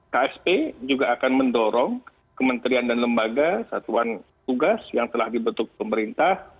ksp juga akan mendorong kementerian dan lembaga satuan tugas yang telah dibentuk pemerintah